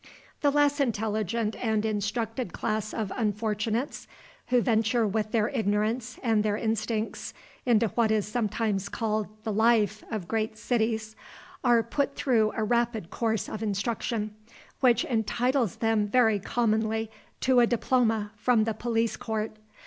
The less intelligent and instructed class of unfortunates, who venture with their ignorance and their instincts into what is sometimes called the "life" of great cities, are put through a rapid course of instruction which entitles them very commonly to a diploma from the police court.